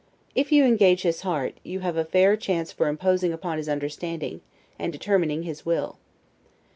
If you engage his heart, you have a fair chance for imposing upon his understanding, and determining his will.